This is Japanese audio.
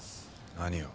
何を？